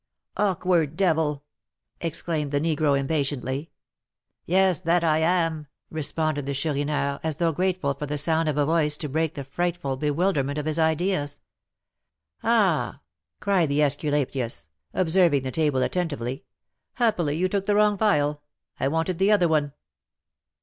"Awkward devil!" exclaimed the negro, impatiently. "Yes, that I am!" responded the Chourineur, as though grateful for the sound of a voice to break the frightful bewilderment of his ideas. "Ah!" cried the Æsculapius, observing the table attentively, "happily you took the wrong phial, I wanted the other one."